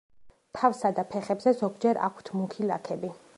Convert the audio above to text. თავსა და ფეხებზე ზოგჯერ აქვთ მუქი ლაქები.